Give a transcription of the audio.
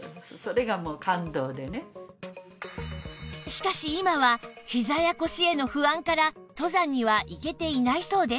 しかし今はひざや腰への不安から登山には行けていないそうです